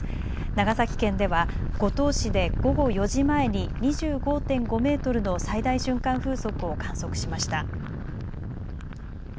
長崎県では、五島市で午後４時前に２５．５メートルの最大瞬間風速を観測しました。